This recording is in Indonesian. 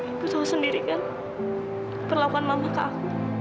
ibu tahu sendiri kan perlakuan mahmud ke aku